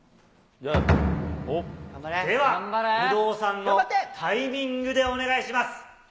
では有働さんのタイミングでお願いします。